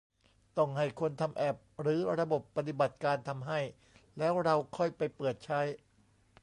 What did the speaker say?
ต้องให้คนทำแอปหรือระบบปฏิบัติการทำให้ แล้วเราค่อยไปเปิดใช้